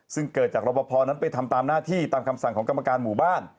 ซึ่งเกิดจากรบพอนั้นไปทำตามหน้าที่ตามคำสั่งของกรรมการหมู่บ้าน